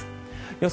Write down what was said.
予想